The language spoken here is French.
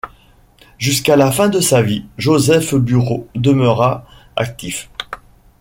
Jusqu'à la fin de sa vie, Joseph Bureau demeura actif.